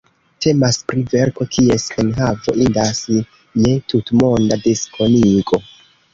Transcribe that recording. Temas pri verko kies enhavo indas je tutmonda diskonigo.